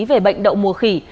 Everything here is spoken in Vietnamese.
về bệnh đậu mùa khỉ